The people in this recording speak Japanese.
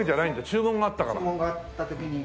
注文があった時に。